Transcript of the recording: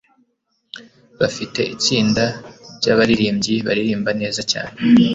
bafite itsinda ryabaririmbyi baririmba neza cyane